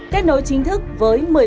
kết nối chính thức với